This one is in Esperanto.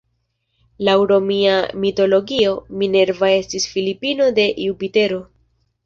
Laŭ romia mitologio, Minerva estis filino de Jupitero.